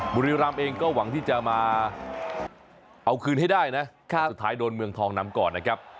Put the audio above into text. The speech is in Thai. บุรีรำเองก็หวังที่จะมาเอาคืนให้ได้นะสุดท้ายโดนเมืองทองนำก่อนนะครับ